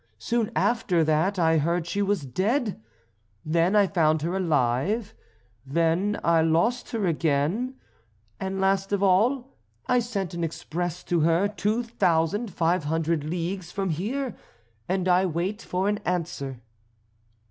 Soon after that I heard she was dead; then I found her alive; then I lost her again; and last of all, I sent an express to her two thousand five hundred leagues from here, and I wait for an answer."